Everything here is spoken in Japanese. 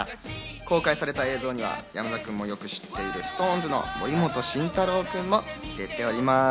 公開された映像には山田君もよく知っているＳｉｘＴＯＮＥＳの森本慎太郎君も出ております。